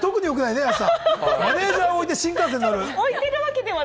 マネジャー置いて、新幹線乗る。